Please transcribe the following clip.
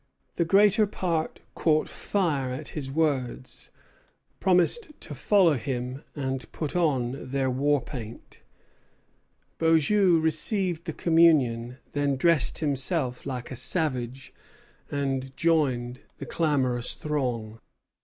The greater part caught fire at his words, promised to follow him, and put on their war paint. Beaujeu received the communion, then dressed himself like a savage, and joined the clamorous throng.